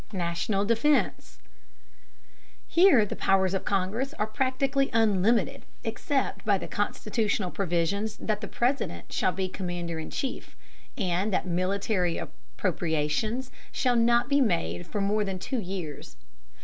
National defense. Here the powers of Congress are practically unlimited, except by the constitutional provisions that the President shall be commander in chief, and that military appropriations shall not be made for more than two years.